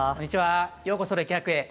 ようこそ歴博へ。